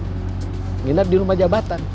menginap di rumah jabatan